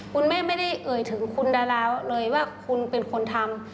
คุณแม่ไม่ได้เอ่ยถึงคุณดาราเลยว่าคุณเป็นคนทำ